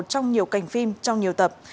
trong nhiều cảnh phim trong nhiều tập